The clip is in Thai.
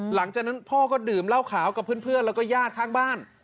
หลังจากนั้นพ่อก็ดื่มเหล้าขาวกับเพื่อนแล้วก็ญาติข้างบ้าน